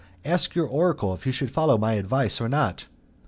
Ask your oracle if you shall follow my advice or not."